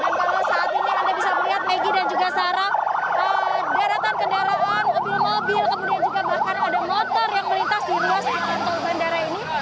dan kalau saat ini anda bisa melihat maggie dan juga sarah daratan kendaraan mobil mobil kemudian juga bahkan ada motor yang melintas di ruas jalan tol bandara ini